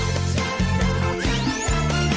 เพลง